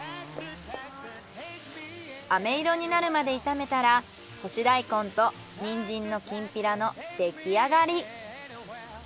あめ色になるまで炒めたら干し大根とニンジンのきんぴらの出来上がり。